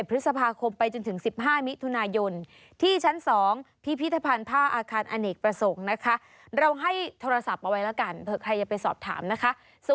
เราให้โทรศัพท์เอาไว้แล้วกันเผื่อใครจะไปสอบถามนะคะ